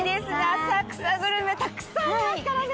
浅草グルメたくさんありますからね。